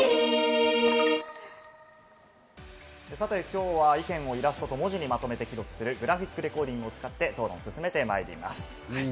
今日は意見をイラストと文字にまとめて記録するグラフィックレコーディングを使って、討論を進めてまいります。